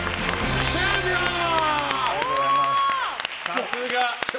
さすが！